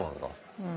うん。